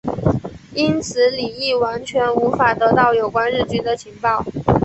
因此李镒完全无法得到有关日军的情报。